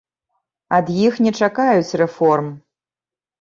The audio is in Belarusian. Ад іх не чакаюць рэформ.